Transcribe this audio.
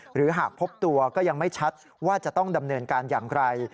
หรือหากพบตัวก็ยังไม่ชัดว่าจะต้องดำเนินการอย่างไร